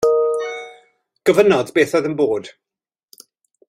Gofynnodd beth oedd yn bod.